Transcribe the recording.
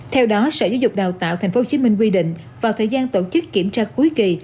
theo đó sở giáo dục và đào tạo thành phố hồ chí minh quy định vào thời gian tổ chức kiểm tra cuối kỳ